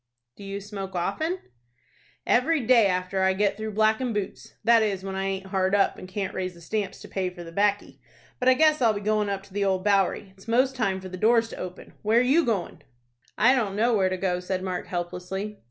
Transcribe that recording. "Do you smoke often?" "Every day after I get through blackin' boots; that is, when I aint hard up, and can't raise the stamps to pay for the 'baccy. But I guess I'll be goin' up to the Old Bowery. It's most time for the doors to open. Where you goin'?" "I don't know where to go," said Mark, helplessly.